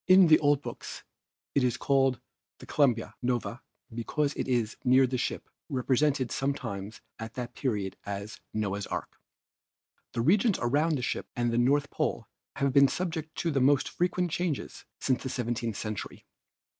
the old books it is called Columba Noae because it is near the ship, represented sometimes at that period as Noah's Ark. The regions around the Ship and the North Pole have been subject to the most frequent changes since the seventeenth century.